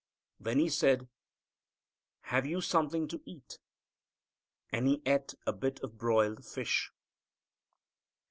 Then He said, "Have you something to eat?" and He ate a bit of broiled fish.